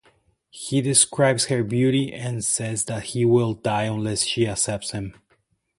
He describes her beauty and says that he will die unless she accepts him.